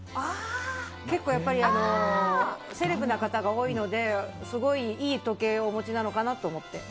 結構、セレブな方が多いのですごい、いい時計をお持ちなのかなと思って。